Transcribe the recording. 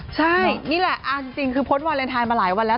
ใช่นี่แหละเอาจริงคือพ้นวาเลนไทยมาหลายวันแล้ว